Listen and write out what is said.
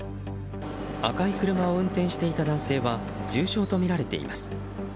赤い車を運転していた男性は重傷とみられています。